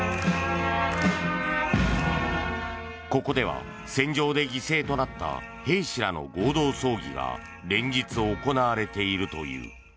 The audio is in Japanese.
ここでは戦場で犠牲となった兵士らの合同葬儀が連日、行われているという。